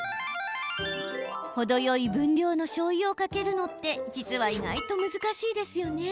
程よい分量のしょうゆをかけるのって実は意外と難しいですよね。